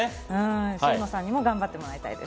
渋野さんにも頑張ってもらいたいです。